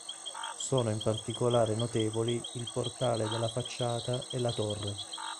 Sono in particolare notevoli il portale della facciata e la torre.